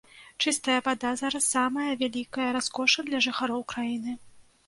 Чыстая вада зараз самае вялікае раскоша для жыхароў краіны.